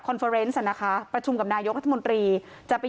เฟอร์เนสอ่ะนะคะประชุมกับนายกรัฐมนตรีจะไป